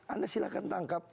anda silahkan tangkap